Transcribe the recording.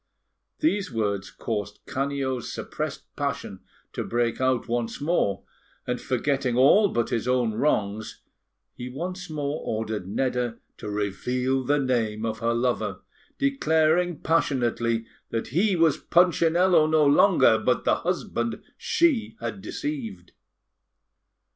These words caused Canio's suppressed passion to break out once more, and, forgetting all but his own wrongs, he once more ordered Nedda to reveal the name of her lover, declaring passionately that he was Punchinello no longer, but the husband she had deceived.